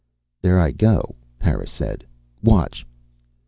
"There I go," Harris said. "Watch."